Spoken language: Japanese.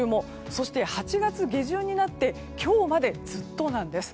そして、８月下旬になって今日までずっとなんです。